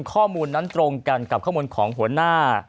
ข้อมูลนั้นตรงกันกับข้อมูลของหัวหน้า